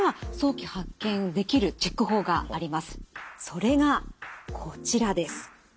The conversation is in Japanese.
それがこちらです。